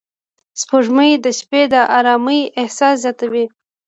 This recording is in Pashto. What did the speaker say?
سپوږمۍ د شپې د آرامۍ احساس زیاتوي